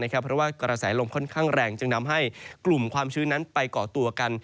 เพราะว่ากระแสลมค่อนข้างแรงจึงทำให้กลุ่มความชื้นนั้นไปก่อตัวกัน